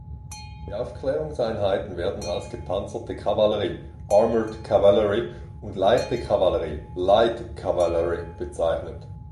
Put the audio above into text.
Die Aufklärungseinheiten werden als gepanzerte Kavallerie ("armoured cavalry") und leichte Kavallerie ("light cavalry") bezeichnet.